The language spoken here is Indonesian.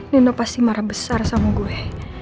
nino pasti marah besar sama gue